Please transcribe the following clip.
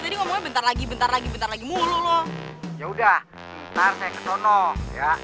tadi ngomongnya bentar lagi bentar lagi bentar lagi mulu loh ya udah ntar saya ke sana ya